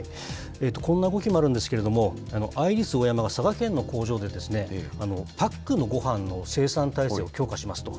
こんな動きもあるんですけれども、アイリスオーヤマが、佐賀県の工場で、パックのごはんの生産体制を強化しますと。